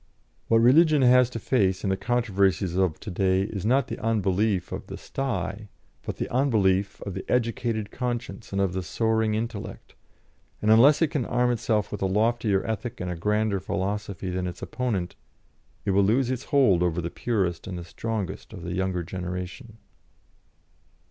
What Religion has to face in the controversies of to day is not the unbelief of the sty, but the unbelief of the educated conscience and of the soaring intellect; and unless it can arm itself with a loftier ethic and a grander philosophy than its opponent, it will lose its hold over the purest and the strongest of the younger generation.